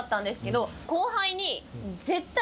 後輩に。